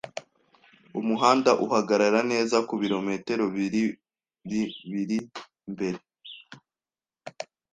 Umuhanda uhagarara neza kubirometero biriri biri imbere.